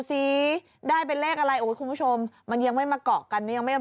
ซิได้เป็นเลขอะไรของทุกคุณผู้ชมมันยังไม่มาเกาะกันยังไม่เอา